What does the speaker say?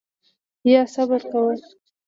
ایا صبر کوئ؟